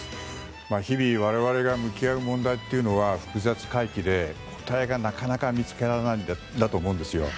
日々我々が向き合う問題というのは複雑怪奇で実体がなかなか見つけられないと思うんですよ。